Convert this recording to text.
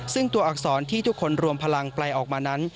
ซึ่งตัวอักษรที่ทุกคนรวมพลังแปลออกมานั้น